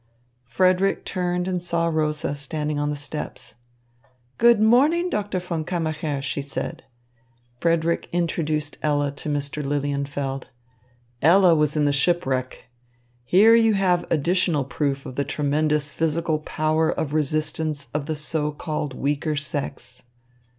Frederick turned and saw Rosa standing on the steps. "Good morning, Doctor von Kammacher," she said. Frederick introduced Ella to Mr. Lilienfeld. "Ella was in the shipwreck. Here you have additional proof of the tremendous physical power of resistance of the so called weaker sex."